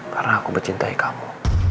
karena aku bercintai kamu